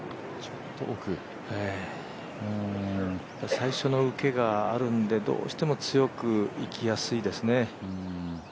最初の受けがあるんでどうしても強く打ちやすいですね。